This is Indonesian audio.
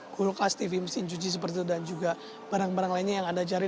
guru kelas tv mesin cuci seperti itu dan juga barang barang lainnya yang anda cari